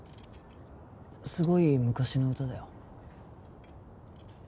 すごい昔の歌だよ